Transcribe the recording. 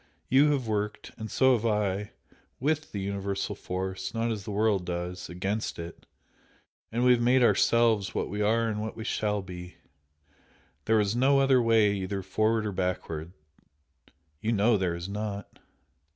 You have worked and so have I WITH the universal force, not as the world does, AGAINST it, and we have made OURSELVES what we are and what we SHALL BE. There is no other way either forward or backward, you know there is not!"